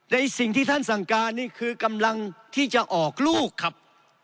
ในสิ่งที่ท่านสั่งการนี่คือกำลังที่จะออกลูกครับ